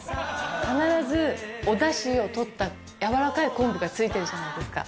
必ずおだしをとったやわらかい昆布がついてるじゃないですか。